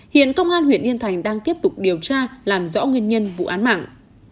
hiện công an huyện yên thành đang tiếp tục điều tra làm rõ nguyên nhân vụ án mạng